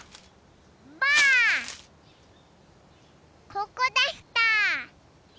ここでした！